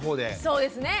そうですね。